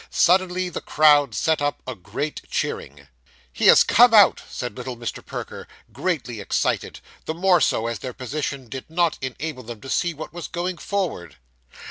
Suddenly the crowd set up a great cheering. 'He has come out,' said little Mr. Perker, greatly excited; the more so as their position did not enable them to see what was going forward.